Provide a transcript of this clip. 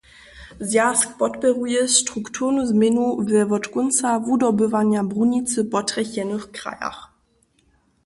Zwjazk podpěruje strukturnu změnu we wot kónca wudobywanja brunicy potrjechenych krajach.